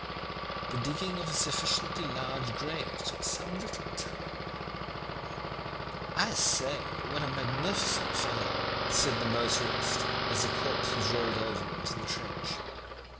"The digging of a sufficiently large grave took some little time. 'I say, what a magnificent fellow,' said the motorist as the corpse was rolled over into the trench.